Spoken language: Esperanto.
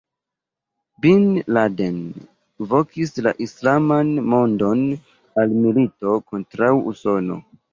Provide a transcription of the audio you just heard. Bin Laden vokis la islaman mondon al milito kontraŭ Usono.